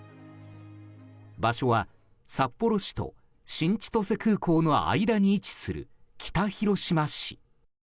場所は、札幌市と新千歳空港の間に位置する北広島市。